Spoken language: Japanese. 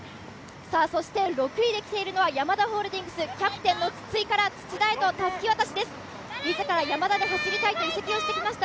そして６位で来ているのはヤマダホールディングス、キャプテンの筒井から土田へとたすき渡しです。